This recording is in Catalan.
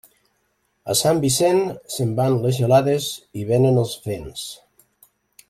A Sant Vicent, se'n van les gelades i vénen els vents.